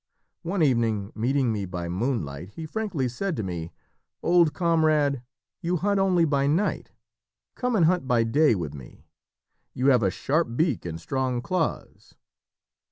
One evening, meeting me by moonlight, he frankly said to me, 'Old comrade, you hunt only by night. Come and hunt by day with me. You have a sharp beak and strong claws.